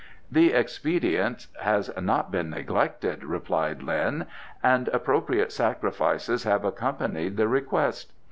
"The expedient has not been neglected," replied Lin, "and appropriate sacrifices have accompanied the request.